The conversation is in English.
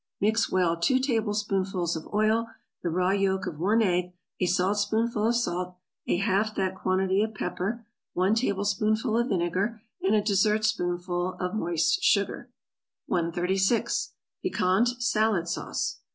= Mix well two tablespoonfuls of oil, the raw yolk of one egg, a saltspoonful of salt, a half that quantity of pepper, one tablespoonful of vinegar, and a dessertspoonful of moist sugar. 136. =Piquante Salad Sauce.